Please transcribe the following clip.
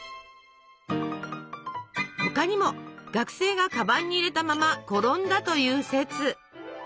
他にも学生がカバンに入れたまま転んだという説。